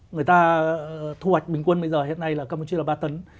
người ta thu hoạch bình quân bây giờ hiện nay là campuchia là ba tấn